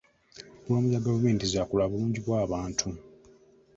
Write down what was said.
Pulogulaamu za gavumenti za ku lwabulungi bw'abantu.